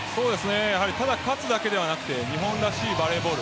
ただ勝つだけでなくて日本らしいバレーボール。